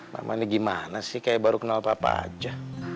mama ini gimana sih kayak baru kenal papa aja